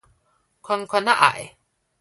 寬寬仔愛